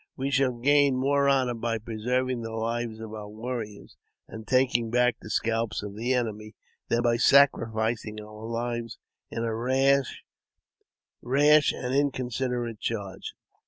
We shall gain more honour by preserving the lives of our warriors, and taking back the scalps of the enemy than by sacrificing our lives in a rash and inconsiderate charge."